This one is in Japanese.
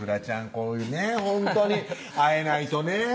こういうねほんとに会えないとね